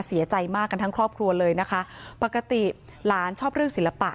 เสียใจมากกันทั้งครอบครัวเลยนะคะปกติหลานชอบเรื่องศิลปะ